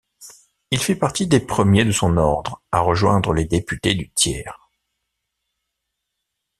Il fait partie des premiers de son ordre à rejoindre les députés du tiers.